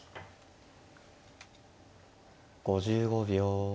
５５秒。